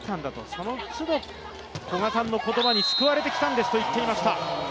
その都度、古賀さんの言葉に救われてきたんですと言っていました。